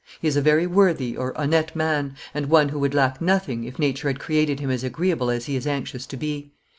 He is a very worthy (honnete) man, and one who would lack nothing, if nature had created him as agreeable as he is anxious to be.